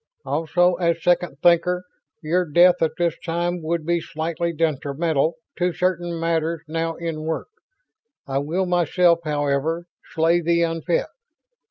Also, as Second Thinker, your death at this time would be slightly detrimental to certain matters now in work. I will myself, however, slay the unfit.